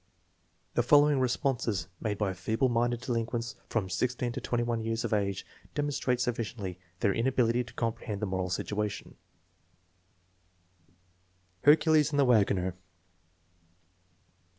The following responses made by feeble minded delin quents from 16 to 21 years of age demonstrate sufficiently their inability to comprehend the moral situation: Hercules and the Wagoner.